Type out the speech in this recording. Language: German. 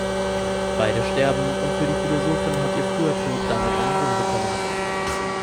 Beide sterben und für die Philosophin hat ihr früher Tod damit einen Sinn bekommen.